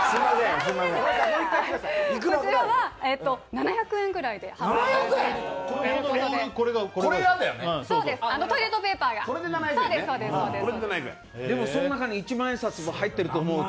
こちらは７００円ぐらいで販売しています。